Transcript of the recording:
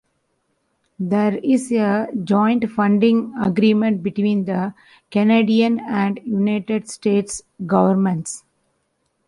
There is a joint funding agreement between the Canadian and United States Governments.